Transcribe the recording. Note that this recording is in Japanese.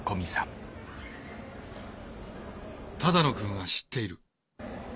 只野くんは知っている。